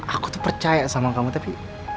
aku tuh percaya sama kamu tapi